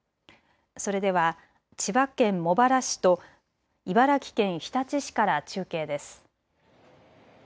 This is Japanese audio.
それでは千葉県茂原市と茨城県日立市から中継です。